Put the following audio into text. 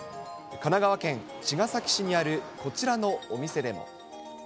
神奈川県茅ヶ崎市にある、こちらのお店でも。